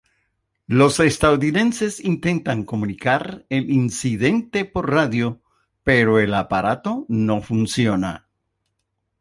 Los estadounidenses intentan comunicar el incidente por radio, pero el aparato no funciona.